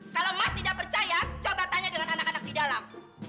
kalau mas tidak percaya coba tanya dengan anak anak di dalam